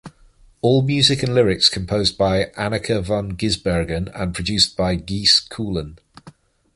All music and lyrics composed by Anneke van Giersbergen and produced by Gijs Coolen.